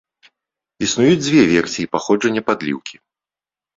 Існуюць дзве версіі паходжання падліўкі.